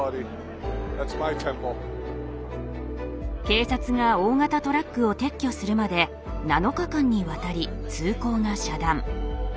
警察が大型トラックを撤去するまで７日間にわたり通行が遮断。